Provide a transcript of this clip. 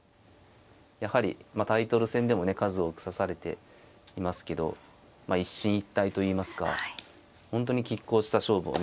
やはりタイトル戦でもね数多く指されていますけど一進一退といいますか本当にきっ抗した勝負をね